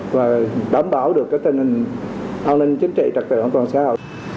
và đảm bảo được cái tình hình an ninh chính trị trật tựa không còn sao